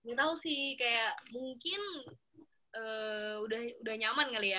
gak tau sih kayak mungkin udah nyaman kali ya